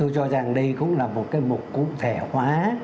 rõ ràng đây cũng là một cái mục cụ thể hóa